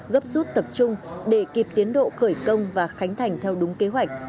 gấp rút tập trung để kịp tiến độ khởi công và khánh thành theo đúng kế hoạch